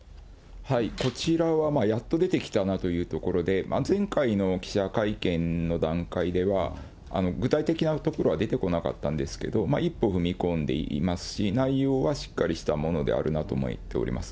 こちらはやっと出てきたなというところで、前回の記者会見の段階では、具体的なところは出てこなかったんですけど、一歩踏み込んでいますし、内容はしっかりしたものであるなと思っております。